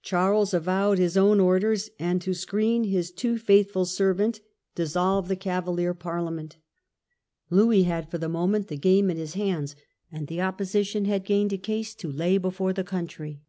Charles avowed his own orders, and, to screen his too faithful servant, dissolved the Cavalier 82 A REAL DANGER FOR CHARLES. Parliament Louis had, for the moment, the game in his hands, and the opposition had gained a case to lay before the country.